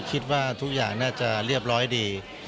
คิดว่าทุกอย่างน่าจะเรียบร้อยดี